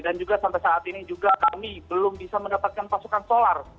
dan juga sampai saat ini juga kami belum bisa mendapatkan pasokan solar